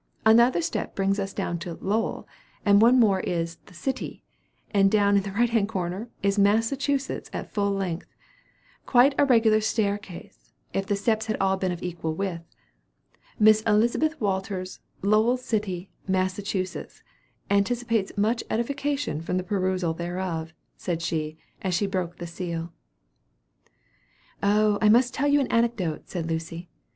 Another step brings us down to 'Lowell;' one more is the 'City;' and down in the right hand corner is 'Massachusetts,' at full length. Quite a regular stair case, if the steps had been all of an equal width. Miss Elizabeth Walters, Lowell City, Massachusetts, anticipates much edification from the perusal thereof," said she, as she broke the seal. "Oh, I must tell you an anecdote," said Lucy.